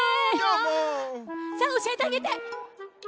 さあおしえてあげて！